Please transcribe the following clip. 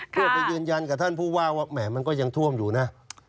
เพื่อไปยืนยันกับท่านผู้ว่าว่าแหมมันก็ยังท่วมอยู่นะ